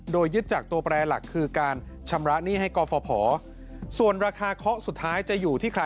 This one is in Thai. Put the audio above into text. โดยยึดจากตัวแปรหลักคือการชำระหนี้ให้กรฟภส่วนราคาเคาะสุดท้ายจะอยู่ที่ใคร